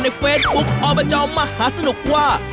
ในเฟซบุ๊คอบจมหาสนุกว่า